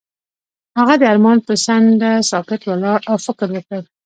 هغه د آرمان پر څنډه ساکت ولاړ او فکر وکړ.